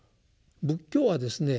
仏教はですね